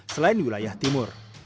selain wilayah timur